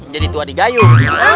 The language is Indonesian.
jadi tua di gayung